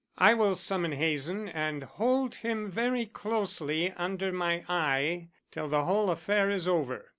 I will summon Hazen and hold him very closely under my eye till the whole affair is over.